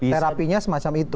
terapinya semacam itu